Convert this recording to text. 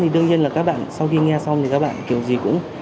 đương nhiên là các bạn sau khi nghe xong thì các bạn kiểu gì cũng